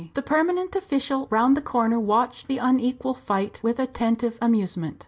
The permanent official round the corner watched the unequal fight with attentive amusement.